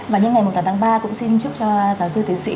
và những ngày một tháng ba cũng xin chúc cho giáo sư tiến sĩ